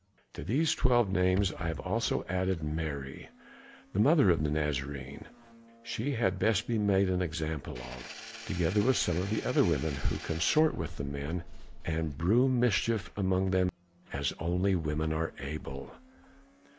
To these twelve names I have also added Mary, the mother of the Nazarene, she had best be made an example of, together with some of the other women, who consort with the men and brew mischief among them as only women are able."